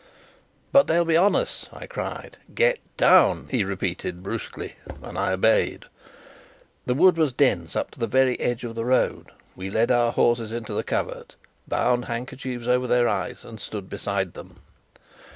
"But they'll be on us!" I cried. "Get down!" he repeated brusquely; and I obeyed. The wood was dense up to the very edge of the road. We led our horses into the covert, bound handkerchiefs over their eyes, and stood beside them.